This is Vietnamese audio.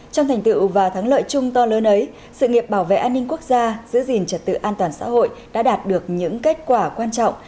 trong thành tựu và thắng lợi chung to lớn ấy sự nghiệp bảo vệ an ninh quốc gia giữ gìn trật tự an toàn xã hội đã đạt được những kết quả quan trọng